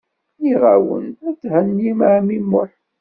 Nniɣ-awen ad thennim ɛemmi Muḥ.